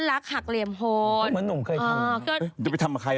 อะไม่ใช่